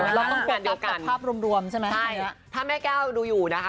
เออแล้วก็เปลี่ยนกันเดียวกันใช่ไหมครับถ้าแม่แก้วดูอยู่นะคะ